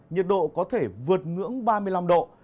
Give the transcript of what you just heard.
nhiệt độ có thể vượt ngưỡng ba mươi năm độ